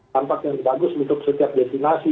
dampak yang bagus untuk setiap destinasi